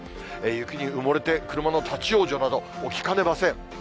雪に埋もれて車の立往生など起きかねません。